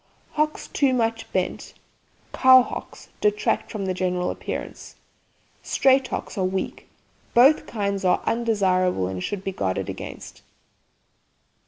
Hocks too much bent (cow hocks) detract from the general appearance. Straight hocks are weak. Both kinds are undesirable, and should be guarded against.